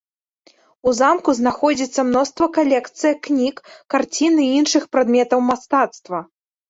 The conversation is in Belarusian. У замку знаходзіцца мноства калекцыя кніг, карцін і іншых прадметаў мастацтва.